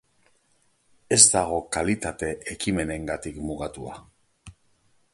Ez dago kalitate ekimenengatik mugatua.